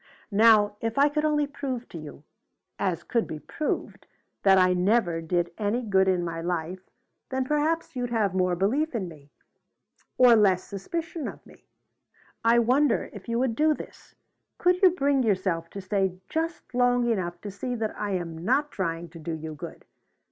Now if I could only prove to you, as could be proved, that I never did any good in my life, then perhaps you'd have more belief in me, or less suspicion of me. I wonder if you would do this? Could you bring yourself to stay just long enough to see that I am not trying to do you good?